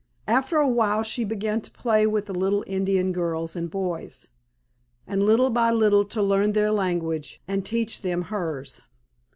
After a while she began to play with the little Indian girls and boys, and little by little to learn their language and teach them hers.